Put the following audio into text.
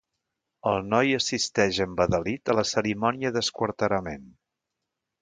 El noi assisteix embadalit a la cerimònia d'esquarterament.